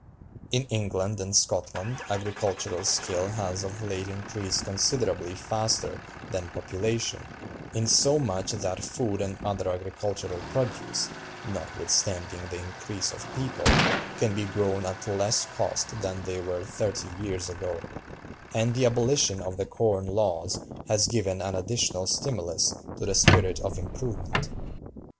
In England and Scotland agricultural skill has of late increased considerably faster than population, insomuch that food and other agricultural produce, notwithstanding the increase of people, can be grown at less cost than they were thirty years ago; and the abolition of the Corn Laws has given an additional stimulus to the spirit of improvement.